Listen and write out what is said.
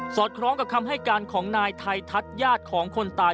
คล้องกับคำให้การของนายไทยทัศน์ญาติของคนตาย